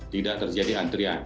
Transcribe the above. tidak terjadi antrian